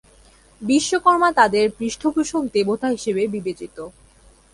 বিশ্বকর্মা তাদের পৃষ্ঠপোষক দেবতা হিসাবে বিবেচিত।